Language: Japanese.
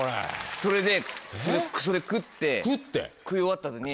それでそれ食って食い終わった後に。